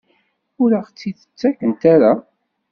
Ur aɣ-tt-id-ttakent ara?